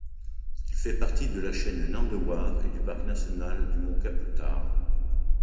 Il fait partie de la chaîne Nandewar et du parc national du mont Kaputar.